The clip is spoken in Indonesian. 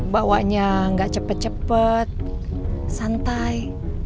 bawanya gak cepet cepet santai